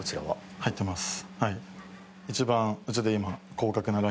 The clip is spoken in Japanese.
入っています。